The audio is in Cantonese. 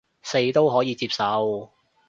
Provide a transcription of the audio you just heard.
四都可接受